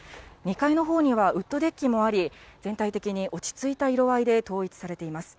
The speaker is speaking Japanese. ２階のほうにはウッドデッキもあり、全体的に落ち着いた色合いで統一されています。